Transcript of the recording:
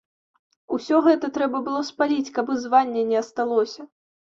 Усё гэта трэба было спаліць, каб і звання не асталося.